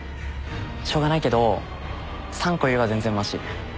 しょうがないけど３個よりは全然まし。